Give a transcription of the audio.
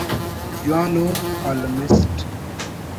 جوان ءُ کالمسٹ